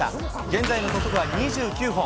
現在のトップは、２９本。